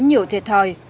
nhiều thiệt thòi